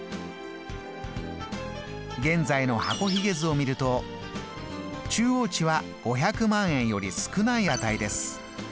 現在の箱ひげ図を見ると中央値は５００万円より少ない値です。